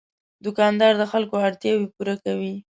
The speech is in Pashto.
دوکاندار د خلکو اړتیاوې پوره کوي.